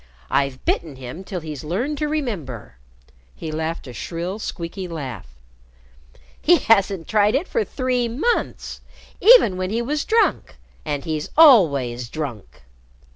I've bitten him till he's learned to remember." He laughed a shrill, squeaking laugh. "He hasn't tried it for three months even when he was drunk and he's always drunk."